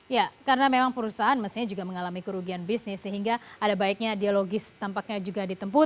ya karena memang perusahaan mestinya juga mengalami kerugian bisnis sehingga ada baiknya dialogis tampaknya juga ditempuh